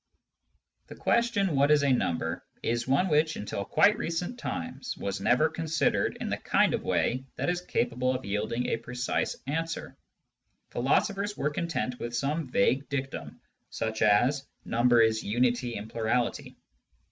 The question " What is a number ?" is one which, until quite recent times, was never considered in the kind of way that is capable of yielding a precise answer. Philosophers were content with some vague dictum such as, " Number is unity in plurality."